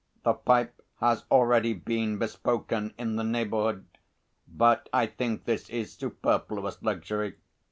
The pipe has already been bespoken in the neighbourhood, but I think this is superfluous luxury.